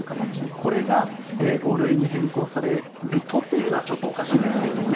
これが５類に変更されるとっていうのはちょっとおかしいですけどね。